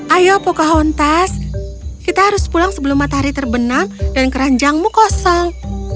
ayo pocahontas kita harus pulang sebelum matahari terbenam dan keranjangmu kosong